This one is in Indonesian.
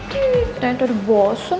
kita yang terbosen